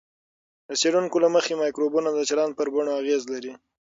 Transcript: د څېړونکو له مخې، مایکروبونه د چلند پر بڼو اغېز لري.